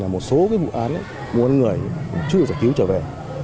một số vụ án mua bán người chưa giải cứu trở về